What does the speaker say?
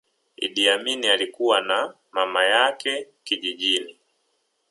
Idi Amin alikua na mama yake kijijini